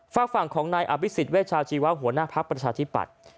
ฝากฝั่งของนายอภิษฎเวชาชีวะหัวหน้าภักดิ์ประชาธิปัตย์